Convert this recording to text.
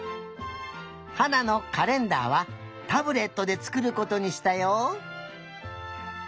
はなのカレンダーはタブレットでつくることにしたよ。